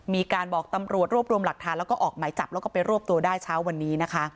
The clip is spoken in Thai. มีการบอกตำรวจรวบรวมหลักฐานแล้วก็ออกหมายจับแล้วก็ไปรวบตัวได้เช้าวันนี้นะคะ